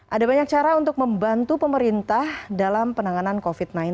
ada banyak cara untuk membantu pemerintah dalam penanganan covid sembilan belas